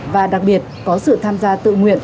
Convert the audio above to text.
và đặc biệt có sự tham gia tự nguyện